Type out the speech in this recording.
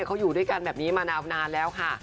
เขาอยู่ด้วยกันแบบนี้มานานแล้วค่ะ